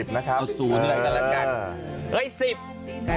๔๐นะครับเอาสูงหน่วยกันละกัน